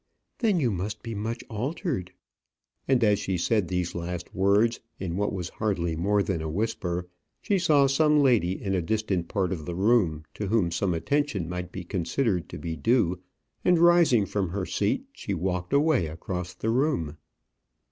"Then you must be much altered;" and as she said these last words, in what was hardly more than a whisper, she saw some lady in a distant part of the room to whom some attention might be considered to be due, and rising from her seat she walked away across the room.